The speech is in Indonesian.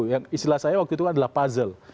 yang istilah saya waktu itu adalah puzzle